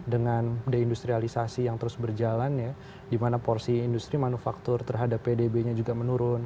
dengan deindustrialisasi yang terus berjalan ya di mana porsi industri manufaktur terhadap pdb nya juga menurun